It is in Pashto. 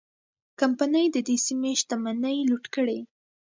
کمپنۍ د دې سیمې شتمنۍ لوټ کړې.